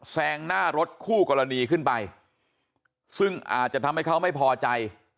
แซงหน้ารถคู่กรณีขึ้นไปซึ่งอาจจะทำให้เขาไม่พอใจ